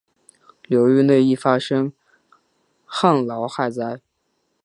流域内易发生旱涝灾害。